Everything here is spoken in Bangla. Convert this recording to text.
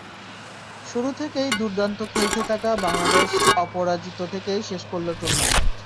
শুরু থেকেই দুর্দান্ত খেলতে থাকা বাংলাদেশ অপরাজিত থেকেই শেষ করল টুর্নামেন্ট।